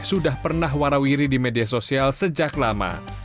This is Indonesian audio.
sudah pernah warawiri di media sosial sejak lama